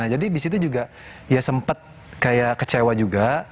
nah jadi disitu juga ya sempet kayak kecewa juga